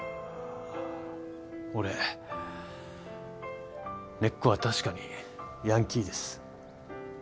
俺根っこは確かにヤンキーです。